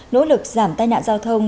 nỗ lực giảm tài nạn giao thông